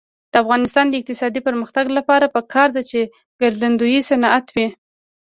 د افغانستان د اقتصادي پرمختګ لپاره پکار ده چې ګرځندوی صنعت وي.